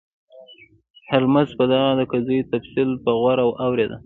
هولمز به د هغه د قضیو تفصیل په غور اوریده.